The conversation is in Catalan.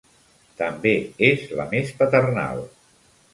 També és la més paternal.